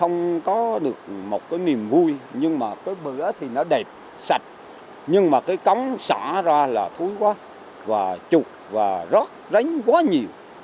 nhưng mà cái bữa thì nó đẹp sạch nhưng mà cái cống xả ra là thúi quá và trục và rớt ránh quá nhiều